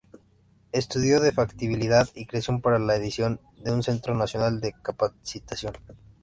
Estudio de Factibilidad y Creación para la Edificación de un Centro Nacional de Capacitación.